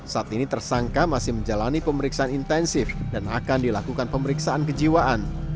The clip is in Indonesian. saat ini tersangka masih menjalani pemeriksaan intensif dan akan dilakukan pemeriksaan kejiwaan